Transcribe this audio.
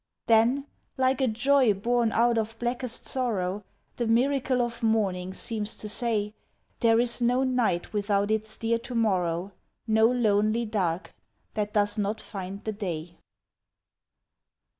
Then, like a joy born out of blackest sorrow, The miracle of morning seems to say, "There is no night without its dear to morrow, No lonely dark that does not find the day."